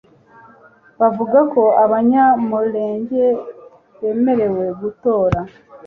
bavuga ko Abanyamulenge bemerewe gutora